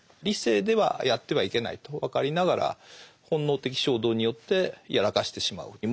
理性ではやってはいけないと分かりながら本能的衝動によってやらかしてしまう。